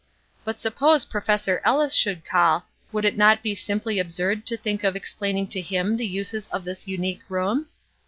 But suppose Professor Ellis should call, would it not be simply absurd to think of explaining to him the uses of this unique room?